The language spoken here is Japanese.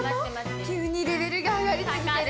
急にレベルが上がりすぎてる。